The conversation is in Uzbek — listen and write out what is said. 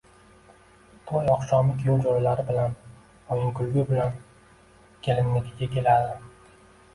To’y oqshomi kuyov jo’ralari bilan o’yin kulgu bilan kelinnikiga keladi